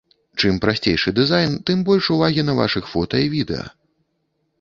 Чым прасцейшы дызайн, тым больш увагі на вашых фота і відэа.